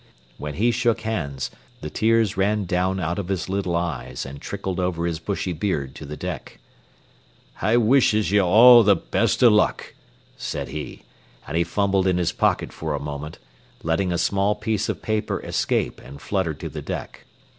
When he shook hands, the tears ran down out of his little eyes and trickled over his bushy beard to the deck. "I wishes ye all the best o' luck," said he, and he fumbled in his pocket for a moment, letting a small piece of paper escape and flutter to the deck.